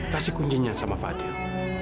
kasih kuncinya sama fadil